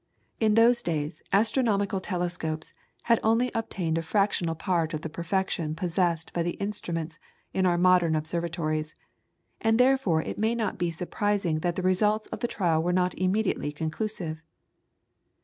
In those days astronomical telescopes had only obtained a fractional part of the perfection possessed by the instruments in our modern observatories, and therefore it may not be surprising that the results of the trial were not immediately conclusive.